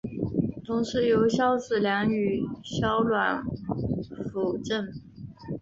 同时由萧子良与萧鸾辅政。